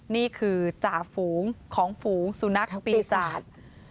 นี่คือจ่าฝูงของฝูงสุนัขปีศาจ